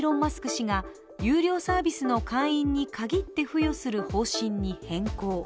氏が有料サービスの会員に限って付与する方針に変更。